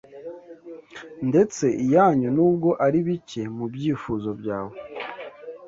Ndetse iyanyu, nubwo ari bike mubyifuzo byawe